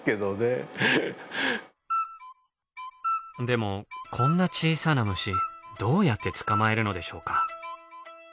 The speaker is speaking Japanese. でもこんな小さな虫どうやって捕まえるのでしょうか？